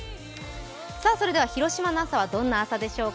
それでは広島の朝はどんな朝でしょうか。